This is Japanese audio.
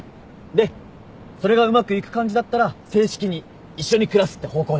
でそれがうまくいく感じだったら正式に一緒に暮らすって方向で。